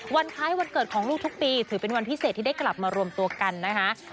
คล้ายวันเกิดของลูกทุกปีถือเป็นวันพิเศษที่ได้กลับมารวมตัวกันนะคะ